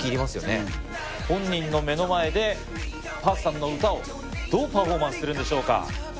本人の目の前でＰａｒｋさんの歌をどうパフォーマンスするんでしょうか。